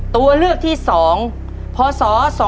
ตัวเลือกที่๒พศ๒๕๖